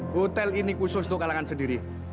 hotel ini khusus untuk kalangan sendiri